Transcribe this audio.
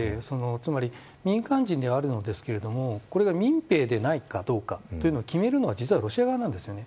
つまり民間人ではあるんですけれどもこれが民兵ではないかというのを決めるのは実はロシア側なんですね。